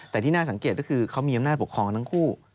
แต่ที่น่าสังเกตก็คือเขามีอำนาจปกครองทั้งคู่